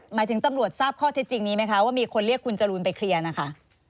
หมายถึงตำรวจทราบข้อเท็จจริงนี้ไหมคะว่ามีคนเรียกคุณจรูนไปเคลียร์นะคะ